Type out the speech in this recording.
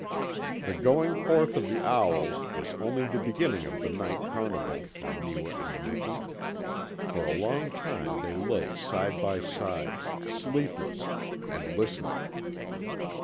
The going forth of the owls was only the beginning of the night carnival for Neewa and Miki. For a long time they lay side by side, sleepless, and listening.